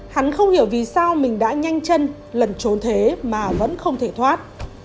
hắn không hiểu vì sao mình đã nhanh chân lẩn trốn thế mà vẫn không thể thoát